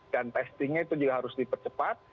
dan testingnya itu juga harus dipercepat